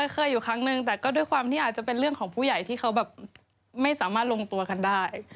เคยอยู่ครั้งนึงแต่ก็ด้วยความที่อาจจะเป็นเรื่องของผู้ใหญ่ที่เขาแบบไม่สามารถลงตัวกันได้